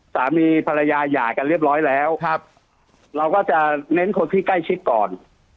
สามีภรรยาหย่ากันเรียบร้อยแล้วครับเราก็จะเน้นคนที่ใกล้ชิดก่อน